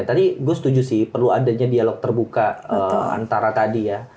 tadi gue setuju sih perlu adanya dialog terbuka antara tadi ya